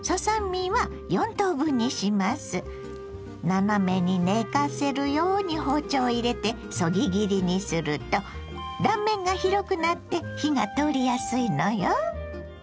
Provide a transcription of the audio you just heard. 斜めに寝かせるように包丁を入れてそぎ切りにすると断面が広くなって火が通りやすいのよ。